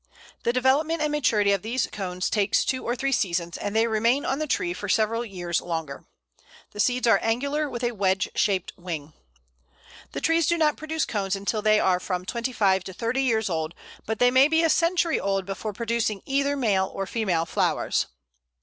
The development and maturity of these cones takes two or three seasons, and they remain on the tree for several years longer. The seeds are angular, with a wedge shaped wing. The trees do not produce cones until they are from twenty five to thirty years old; but they may be a century old before producing either male or female flowers.